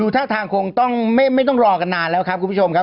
เท่าท้ายก็ไม่ต้องรอกันนานเรา